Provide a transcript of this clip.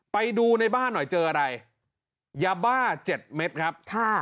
ไปดูในบ้านหน่อยเจออะไรยาบ้า๗เม็ดครับ